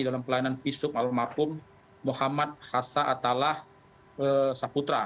dalam pelayanan pisuk alamakum muhammad khassa atallah saputra